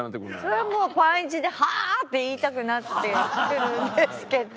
それはもうパンイチで「ハァ！」って言いたくなってくるんですけど。